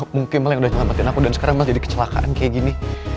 mungkin malah yang udah nyelamatin aku dan sekarang malah jadi kecelakaan kayak gini